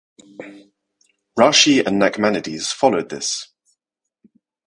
Rashi and Nachmanides followed this.